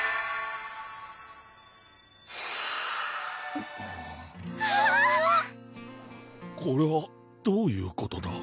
うんわぁこれはどういうことだ？